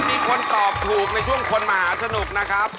มีคนตอบถูกในช่วงคนมหาสนุกนะครับ